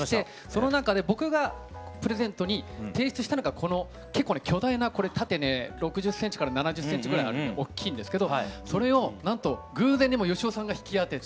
その中で僕がプレゼントに提出したのがこの結構ね巨大なこれ縦６０７０センチぐらいあるおっきいんですけどそれをなんと偶然にも芳雄さんが引き当てて。